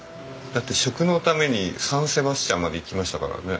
だって食のためにサンセバスチャンまで行きましたからね。